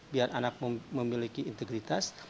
biar anak memiliki integritas